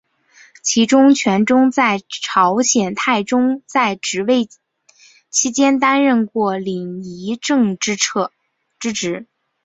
其中权仲和在朝鲜太宗在位期间担任过领议政之职。